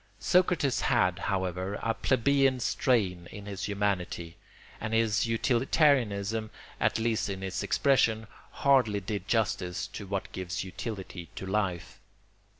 ] Socrates had, however, a plebeian strain in his humanity, and his utilitarianism, at least in its expression, hardly did justice to what gives utility to life.